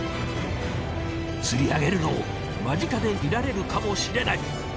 釣りあげるのを間近で見られるかもしれない。